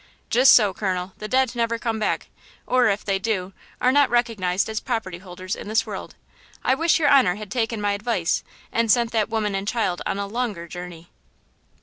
"Just so, colonel; the dead never come back, or if they do, are not recognized as property holders in this world. I wish your honor had taken my advice and sent that woman and child on a longer journey."